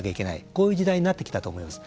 こういう時代になってきたと思います。